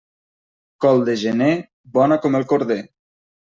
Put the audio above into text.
Col de gener, bona com el corder.